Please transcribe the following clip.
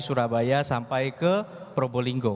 surabaya sampai ke probolinggo